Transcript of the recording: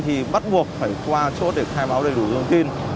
thì bắt buộc phải qua chốt để khai báo đầy đủ dương tin